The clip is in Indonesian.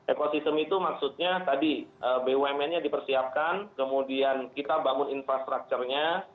ekosistem itu maksudnya tadi bumnnya dipersiapkan kemudian kita bangun infrastructurnya